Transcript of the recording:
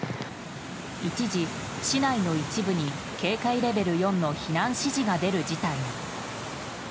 一時、市内の一部に警戒レベル４の避難指示が出る事態に。